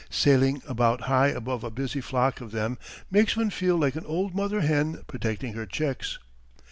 Sailing about high above a busy flock of them makes one feel like an old mother hen protecting her chicks.